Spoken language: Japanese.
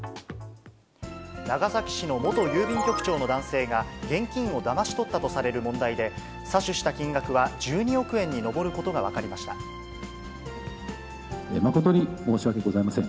長崎市の元郵便局長の男性が、現金をだまし取ったとされる問題で、詐取した金額は１２億円に上誠に申し訳ございません。